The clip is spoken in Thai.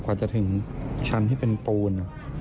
กว่าจะถึงชั้นที่เป็นปูน